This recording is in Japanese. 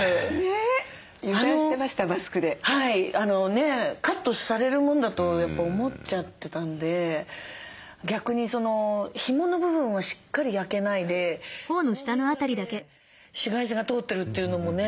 ねえカットされるもんだとやっぱ思っちゃってたんで逆にひもの部分はしっかり焼けないでこの辺だけ紫外線が通ってるというのもね。